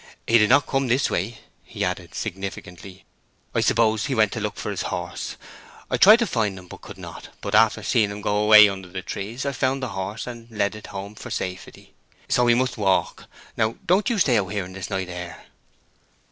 He did not come this way," he added, significantly. "I suppose he went to look for his horse. I tried to find him, but could not. But after seeing him go away under the trees I found the horse, and have led it home for safety. So he must walk. Now, don't you stay out here in this night air."